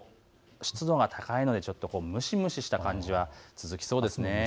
湿度が高いのでちょっと蒸し蒸しした感じが続きそうです。